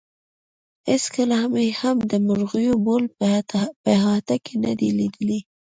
هېڅکله مې هم د مرغیو بول په احاطه کې نه دي لیدلي.